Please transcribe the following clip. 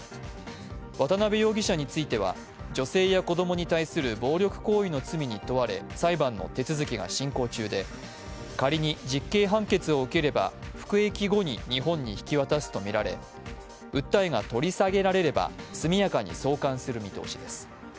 渡辺容疑者については女性や子供に対する暴力行為の罪に問われ、裁判の手続きが進行中で仮に実刑判決を受ければ服役後に日本に引き渡すとみられ訴えが取り下げられれば速やかに送還する見通しです。